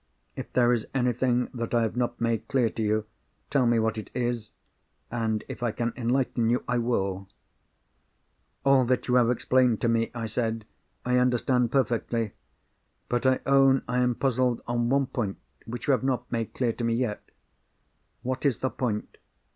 If there is anything that I have not made clear to you, tell me what it is—and if I can enlighten you, I will." "All that you have explained to me," I said, "I understand perfectly. But I own I am puzzled on one point, which you have not made clear to me yet." "What is the point?"